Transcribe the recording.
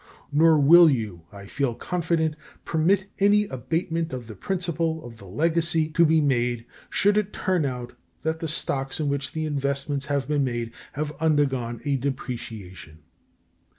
Nor will you, I feel confident, permit any abatement of the principal of the legacy to be made should it turn out that the stocks in which the investments have been made have undergone a depreciation.